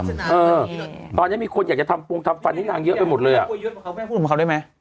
เออตอนนี้มีคนอยากจะทำฟันกันไว้ที่นางเยอะไปหมดเลยอะ